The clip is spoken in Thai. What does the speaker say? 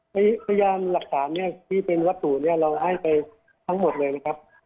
พยานหลักฐานเนี่ยที่เป็นวัตถุเนี่ยเราให้ไปทั้งหมดเลยนะครับ